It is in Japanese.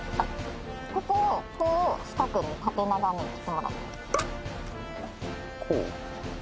ここをこう四角に縦長に切ってもらってこう？